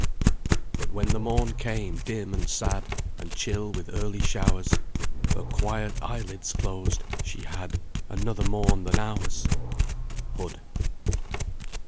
But when the morn came dim and sad, And chill with early showers, Her quiet eyelids closed she had Another morn than ours! HOOD.